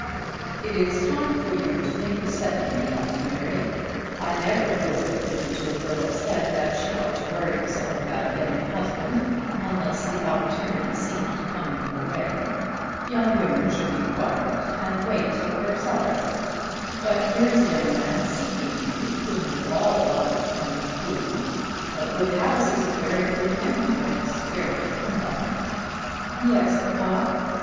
"It is time for you to think of settling in life, Mary. I never would put it into a girl's head that she ought to worry herself about getting a husband unless the opportunity seemed to come in her way. Young women should be quiet and wait till they're sought after. But here is a young man seeking you whom we all like and approve. A good house is a very good thing when it's fairly come by." "Yes, papa."